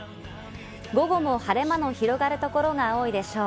午後も晴れ間の広がるところが多いでしょう。